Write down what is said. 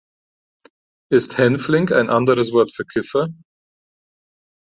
Ist Hänfling ein anderes Wort für Kiffer?